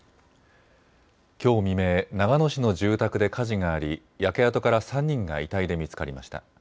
きょう未明、長野市の住宅で火事があり焼け跡から３人が遺体で見つかりました。